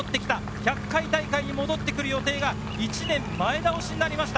１００回大会に戻ってくる予定が１年、前倒しになりました。